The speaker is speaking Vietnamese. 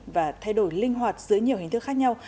và thay đổi linh hoạt dưới nhiều hình thức khác nhau